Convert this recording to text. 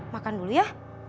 makan dulu ya